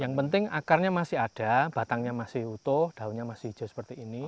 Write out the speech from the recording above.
yang penting akarnya masih ada batangnya masih utuh daunnya masih hijau seperti ini